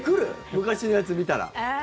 昔のやつ見たら。